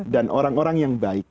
dan orang orang yang baik